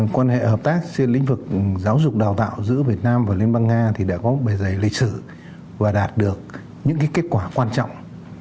quan hệ hợp tác trên lĩnh vực giáo dục đào tạo giữa việt nam và liên bang nga thì đã có bề dày lịch sử và đạt được những kết quả quan trọng